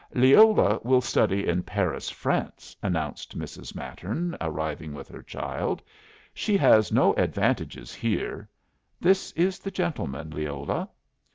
"Leola will study in Paris, France," announced Mrs. Mattern, arriving with her child. "She has no advantages here. This is the gentleman, Leola."